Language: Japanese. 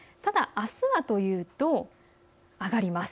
あすはというと上がります。